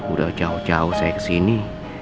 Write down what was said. udah jauh jauh saya ke sini